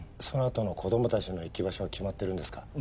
そのあとの子供たちの行き場所は決まってるんですか？